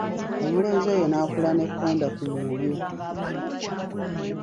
Omulenzi oyo n'akula n'ekkonda ku mwoyo.